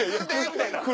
みたいな。